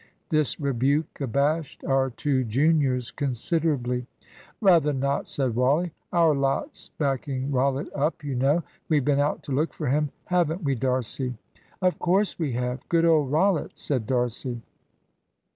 This rebuke abashed our two juniors considerably. "Rather not," said Wally. "Our lot's backing Rollitt up, you know. We've been out to look for him, haven't we, D'Arcy?" "Of course we have; good old Rollitt," said D'Arcy.